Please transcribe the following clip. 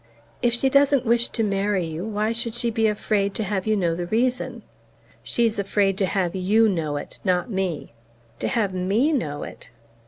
"If she doesn't wish to marry you, why should she be afraid to have you know the reason?" "She's afraid to have YOU know it not me!" "To have ME know it?"